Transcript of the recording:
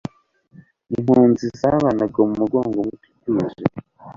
Impunzi zabanaga mumugongo muto, utuje. (fcbond)